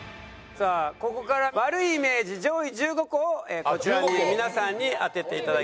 さあここから悪いイメージ上位１５個をこちらにいる皆さんに当てていただきたいと思います。